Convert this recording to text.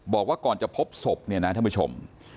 บอกว่าก่อนจะพบศพเนี่ยนะท่านผู้ชม